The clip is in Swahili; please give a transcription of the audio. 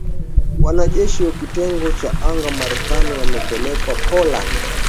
Wanajeshi wa kitengo cha anga Marekani wamepelekwa Poland.